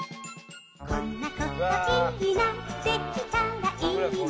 「こんなこといいなできたらいいな」